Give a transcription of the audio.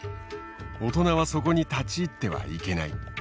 大人はそこに立ち入ってはいけない。